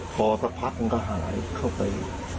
พอสักพักมันก็หายเข้าไป